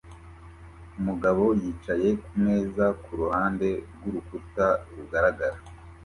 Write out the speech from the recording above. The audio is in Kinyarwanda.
Umugabo yicaye kumeza kuruhande rwurukuta rugaragara